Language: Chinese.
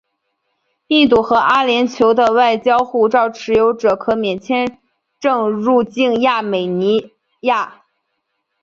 印度和阿联酋的外交护照持有者可免签证入境亚美尼亚。